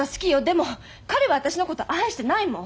でも彼は私のこと愛してないもん。